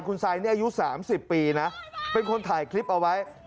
คุณไซดนี่อายุ๓๐ปีนะเป็นคนถ่ายคลิปเอาไว้